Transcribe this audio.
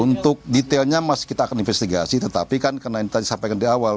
untuk detailnya kita akan investigasi tetapi kan karena ini tadi sampaikan di awal